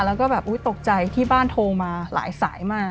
แล้วก็แบบตกใจที่บ้านโทรมาหลายสายมาก